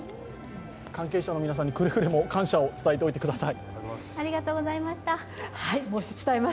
関係者の皆さんにくれぐれも感謝を伝えておいてください。